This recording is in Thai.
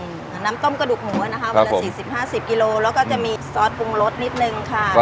อืมน้ำต้มกระดูกหมูนะครับครับผมเป็นสี่สิบห้าสิบกิโลกรัมแล้วก็จะมีซอสปรุงรสนิดหนึ่งค่ะ